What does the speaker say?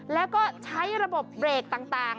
แล้วก็ใช้ระบบเบรกต่าง